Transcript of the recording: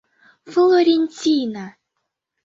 Флорентина!